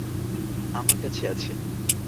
আমার কাছে আছে!